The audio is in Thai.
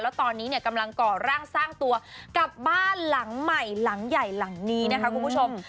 แล้วตอนนี้เนี่ยกำลังก่อร่างสร้างตัวกับบ้านหลังใหม่หลังใหญ่หลังนี้นะคะคุณผู้ชม